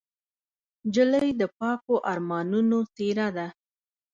نجلۍ د پاکو ارمانونو څېره ده.